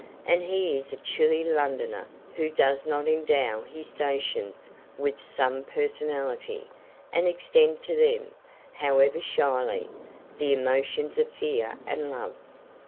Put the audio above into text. And he is a chilly Londoner who does not endow his stations with some personality, and extend to them, however shyly, the emotions of fear and love.